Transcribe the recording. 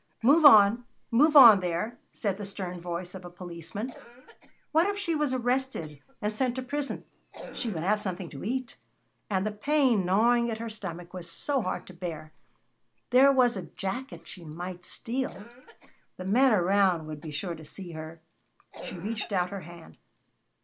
"Move on, move on, there!" said the stern voice of a policeman. What if she was arrested and sent to prison? She would have something to eat. And the pain gnawing at her stomach was so hard to bear. There was a jacket she might steal the men around would be sure to see her. She reached out her hand.